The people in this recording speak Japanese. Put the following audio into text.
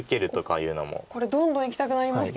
これどんどんいきたくなりますけど。